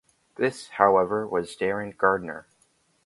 This, however, was Darren Gardner.